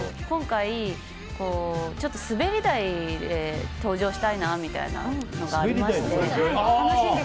今回、滑り台で登場したいなみたいなのがありまして。